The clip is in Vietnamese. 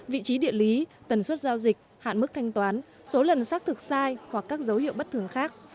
vị trí địa lý tần suất giao dịch hạn mức thanh toán số lần xác thực sai hoặc các dấu hiệu bất thường khác